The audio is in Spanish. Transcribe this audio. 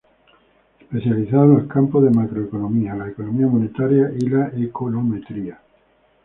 Especializado en los campos de la macroeconomía, la economía monetaria y la econometría.